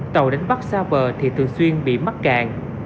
tàu đánh bắt xa bờ thì thường xuyên bị mắc cạn